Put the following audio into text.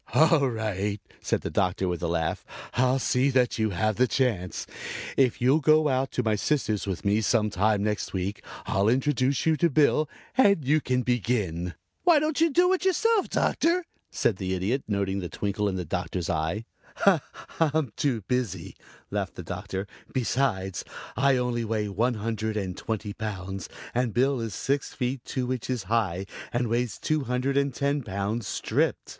"All right," said the Doctor with a laugh. "I'll see that you have the chance. If you'll go out to my sister's with me some time next week I'll introduce you to Bill and you can begin." "Why don't you do it yourself, Doctor?" asked the Idiot, noting the twinkle in the Doctor's eye. "I'm too busy," laughed the Doctor. "Besides I only weigh one hundred and twenty pounds and Bill is six feet two inches high and weighs two hundred and ten pounds stripped.